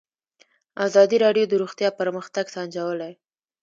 ازادي راډیو د روغتیا پرمختګ سنجولی.